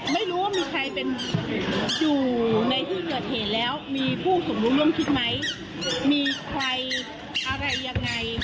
มันได้จะทำให้สุขไม่สุข